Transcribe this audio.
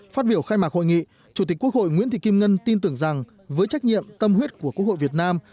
phát biểu khai mạc hội nghị chủ tịch quốc hội nguyễn thị kim ngân tin tưởng rằng với trách nhiệm tâm huyết của quốc hội việt nam